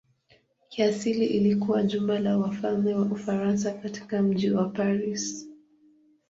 Kiasili ilikuwa jumba la wafalme wa Ufaransa katika mji wa Paris.